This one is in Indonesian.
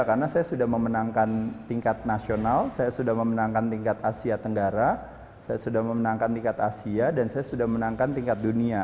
karena saya sudah memenangkan tingkat nasional saya sudah memenangkan tingkat asia tenggara saya sudah memenangkan tingkat asia dan saya sudah menangkan tingkat dunia